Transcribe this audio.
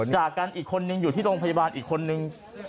จากกันอีกคนนึงอยู่ที่โรงพยาบาลอีกคนนึง